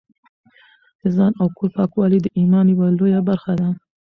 د ځان او کور پاکوالی د ایمان یوه لویه برخه ده.